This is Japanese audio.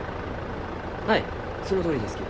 はいそのとおりですき。